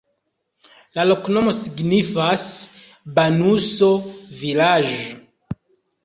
La loknomo signifas: banuso-vilaĝ'.